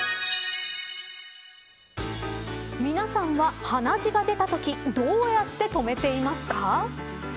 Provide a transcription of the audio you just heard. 皆さんは、鼻血が出たときどうやって止めていますか。